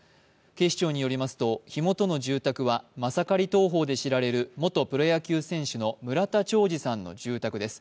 警視庁によりますと火元の住宅はマサカリ投法で知られる元プロ野球選手の村田兆治さんの住宅です。